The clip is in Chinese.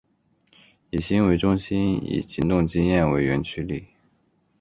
以心为中心以行动经验为原驱力。